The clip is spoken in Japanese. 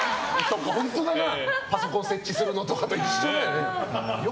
パソコン設置するのとかと一緒だよね。